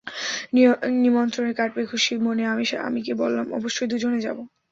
নিমন্ত্রণের card পেয়ে খুশি মনে আমি স্বামীকে বললাম, অবশ্যই দুজনে যাব।